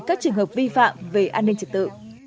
các trường hợp vi phạm về an ninh trật tự